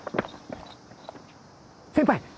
先輩！